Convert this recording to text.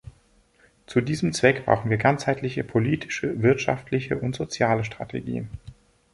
Zu diesem Zweck brauchen wir ganzheitliche politische, wirtschaftliche und soziale Strategien.